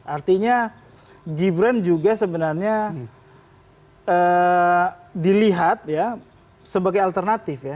artinya gibran juga sebenarnya dilihat ya sebagai alternatif ya